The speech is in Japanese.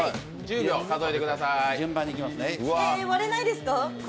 割れないですか？